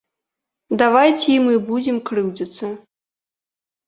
Давайце і мы будзем крыўдзіцца.